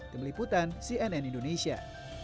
temeliputan cnn indonesia